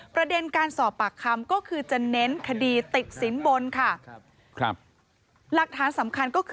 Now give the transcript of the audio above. ประเด็นการสอบปากคำก็คือจะเน้นคดีติดสินบนค่ะ